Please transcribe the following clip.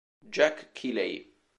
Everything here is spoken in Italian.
Jack Kiley